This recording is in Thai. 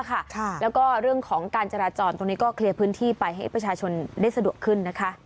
และเรื่องของจราจรคลียรพื้นที่ไปให้ประชาชนสะดวกขึ้น